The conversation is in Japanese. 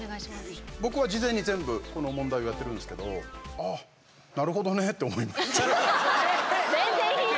僕は事前に全部この問題をやってるんですけど「あぁなるほどね」って思いました。